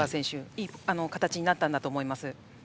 いい形になったんだと思います。